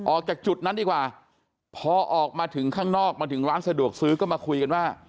ออกจากจุดนั้นดีกว่าพอออกมาถึงข้างนอกมาถึงร้านสะดวกซื้อก็มาคุยกันว่า